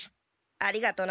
ありがとな。